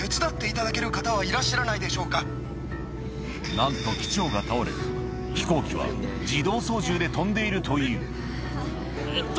・なんと飛行機は自動操縦で飛んでいるという一体。